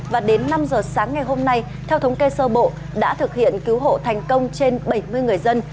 và đến năm giờ sáng ngày hôm nay theo thống kê sơ bộ đã thực hiện cứu hộ thành công trên bảy mươi người dân